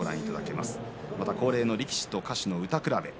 また、恒例の力士と歌手の歌くらべ。